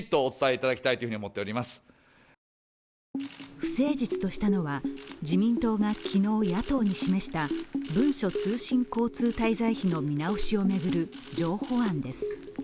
不誠実としたのは自民党が昨日、野党に示した文書通信交通滞在費の見直しを巡る譲歩案です。